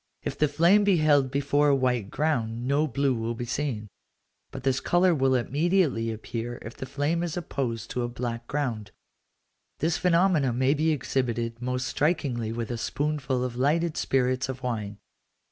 If the flame be held before a white ground, no blue will be seen, but this colour will immediately appear if the flame is opposed to a black ground. This phenomenon may be exhibited most strikingly with a spoonful of lighted spirits of wine.